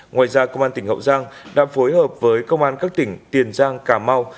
ngoài ra công an tỉnh hậu giang đã phối hợp với công an các tỉnh tiền giang cà mau